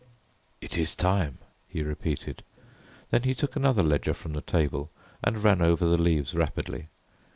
"It is time," he repeated. Then he took another ledger from the table and ran over the leaves rapidly.